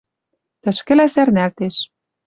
Тӹшкӹлӓ сӓрнӓлтеш